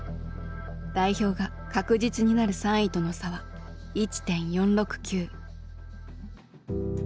代表が確実になる３位との差は１．４６９。